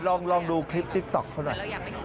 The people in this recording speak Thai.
ลองดูคลิปติ๊กต๊อกเขาหน่อย